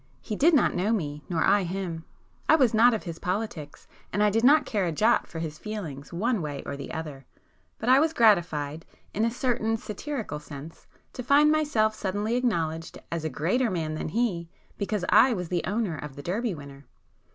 He did not know me, nor I him,—I was not of his politics, and I did not care a jot for his feelings one way or the other, but I was gratified, in a certain satirical sense, to find myself suddenly acknowledged as a greater man than he, because I was the owner of the Derby winner!